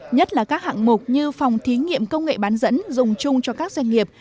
nhất là các hạng mục như phòng thí nghiệm công nghệ bán dẫn dùng chung cho các doanh nghiệp